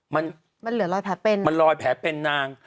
มันมันเหลือรอยแผลเป็นมันรอยแผลเป็นนาง